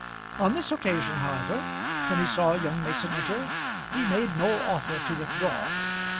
On this occasion, however, when he saw young Mason enter, he made no offer to withdraw.